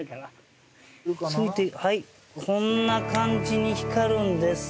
こんな感じに光るんです。